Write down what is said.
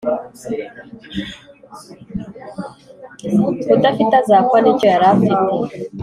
Udafite azakwa n’ icyo yari afite